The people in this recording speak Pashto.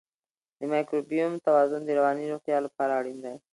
د مایکروبیوم توازن د رواني روغتیا لپاره اړین دی.